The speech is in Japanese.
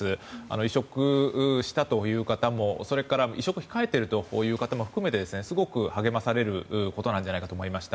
移植したという方もそれから移植を控えているという方も含めてすごく励まされることなんじゃないかと思いました。